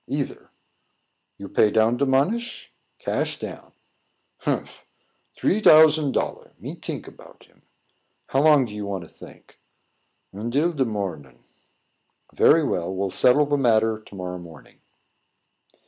"Either." "You pay down de monish?" "Cash down." "Humph! Dree dousand dollar! Me tink about him." "How long do you want to think?" "Undil de mornin." "Very well; we'll settle the matter to morrow morning."